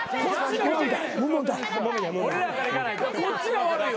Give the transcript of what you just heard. こっちが悪いわ。